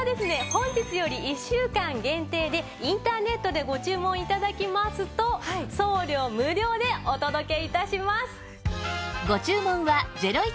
本日より１週間限定でインターネットでご注文頂きますと送料無料でお届け致します。